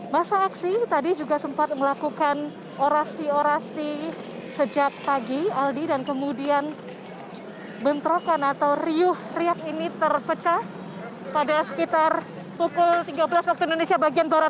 masa aksi tadi juga sempat melakukan orasi orasi sejak pagi aldi dan kemudian bentrokan atau riuh riak ini terpecah pada sekitar pukul tiga belas waktu indonesia bagian barat